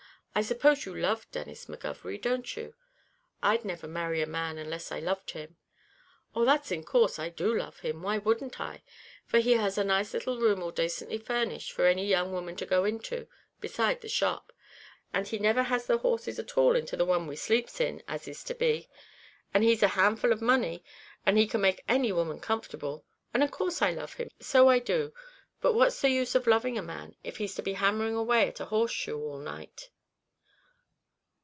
I suppose you love Denis McGovery, don't you? I'd never marry a man unless I loved him." "Oh! that's in course I do love him; why wouldn't I? for he has a nice little room all dacently furnished for any young woman to go into besides the shop; and he never has the horses at all into the one we sleeps in, as is to be. And he's a handful of money, and can make any woman comfortable; and in course I love him so I do. But what's the use of loving a man, if he's to be hammering away at a horseshoe all night?"